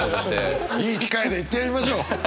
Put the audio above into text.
いい機会だ言ってやりましょう！